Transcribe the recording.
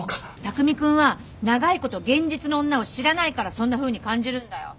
巧君は長いこと現実の女を知らないからそんなふうに感じるんだよ。